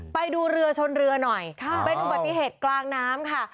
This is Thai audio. ไปดูเรือชนเรือหน่อยเป็นอุบัติเหตุกลางน้ำค่ะ